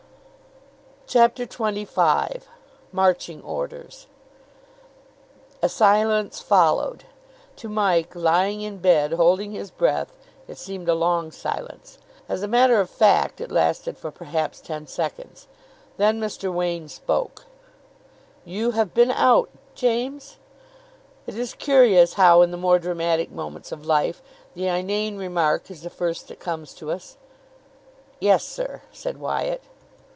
CHAPTER XXV MARCHING ORDERS A silence followed. To Mike, lying in bed, holding his breath, it seemed a long silence. As a matter of fact it lasted for perhaps ten seconds. Then Mr. Wain spoke. "You have been out, James?" It is curious how in the more dramatic moments of life the inane remark is the first that comes to us. "Yes, sir," said Wyatt.